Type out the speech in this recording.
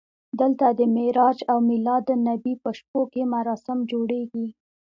دلته د معراج او میلادالنبي په شپو کې مراسم جوړېږي.